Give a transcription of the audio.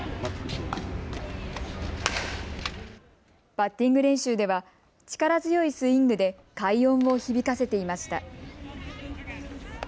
バッティング練習では力強いスイングで快音を響かせていました。